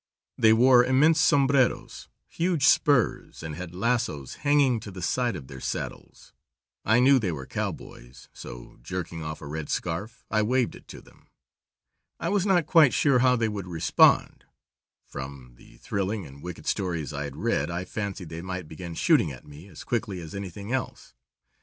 They wore immense sombreros, huge spurs, and had lassos hanging to the side of their saddles. I knew they were cowboys, so, jerking off a red scarf I waved it to them. I was not quite sure how they would respond. From the thrilling and wicked stories I had read, I fancied they might begin shooting at me as quickly as anything else.